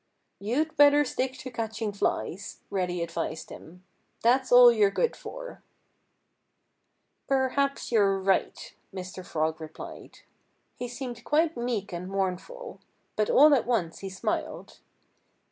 "You'd better stick to catching flies," Reddy advised him. "That's all you're good for." "Perhaps you're right," Mr. Frog replied. He seemed quite meek and mournful. But all at once he smiled.